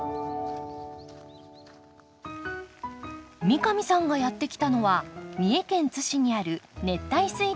三上さんがやって来たのは三重県津市にある熱帯スイレンの農場。